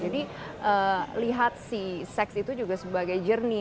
jadi lihat sih seks itu juga sebagai journey